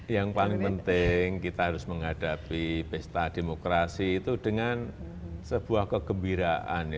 yang paling penting kita harus menghadapi pesta demokrasi itu dengan sebuah kegembiraan